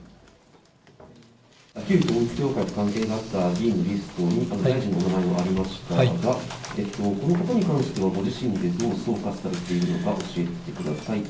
旧統一教会と関係があった議員のリストに大臣の名前がありましたが、このことに関してはご自身でどう総括されてるのか教えてください。